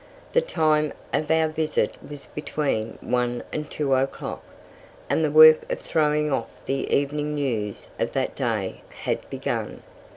The time of our visit was between one and two o'clock, and the work of throwing off the "Evening News" of that day had begun.